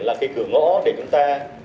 là cửa ngõ để chúng ta